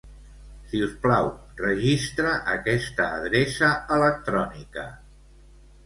Si us plau, registra aquesta adreça electrònica.